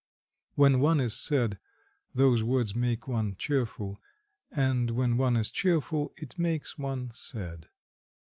When one is sad those words make one cheerful, and when one is cheerful it makes one sad.